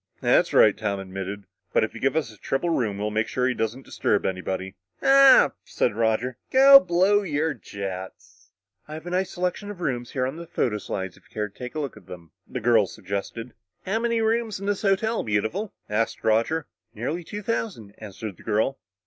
"That's right," Tom admitted. "But if you'll give us a triple room, we'll make sure he doesn't disturb anybody." "Ah," said Roger, "go blow your jets!" "I have a nice selection of rooms here on photo slides if you'd care to look at them," the girl suggested. "How many rooms in this hotel, Beautiful?" asked Roger. "Nearly two thousand," answered the girl.